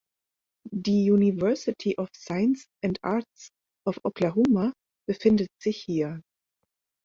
Die University of Science and Arts of Oklahoma befindet sich hier.